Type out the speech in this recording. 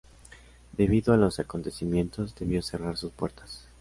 Debido a los acontecimientos debió cerrar sus puertas.